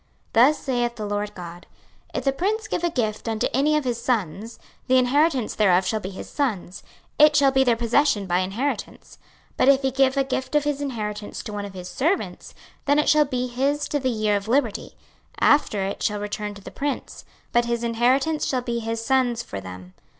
26:046:016 Thus saith the Lord GOD; If the prince give a gift unto any of his sons, the inheritance thereof shall be his sons'; it shall be their possession by inheritance. 26:046:017 But if he give a gift of his inheritance to one of his servants, then it shall be his to the year of liberty; after it shall return to the prince: but his inheritance shall be his sons' for them.